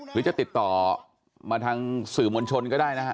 หรือจะติดต่อมาทางสื่อมวลชนก็ได้นะฮะ